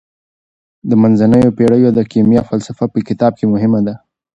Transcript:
د منځنیو پیړیو د کیمیا فلسفه په کتاب کې مهمه ده.